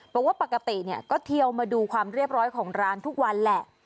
บอกว่าปกติก็เทียวมาดูความเรียบร้อยของร้านทุกวันแหละ